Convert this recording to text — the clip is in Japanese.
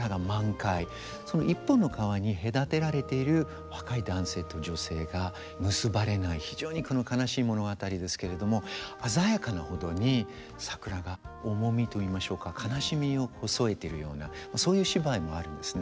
その一本の川に隔てられている若い男性と女性が結ばれない非常に悲しい物語ですけれども鮮やかなほどに桜が重みといいましょうか悲しみを添えてるようなそういう芝居もあるんですね。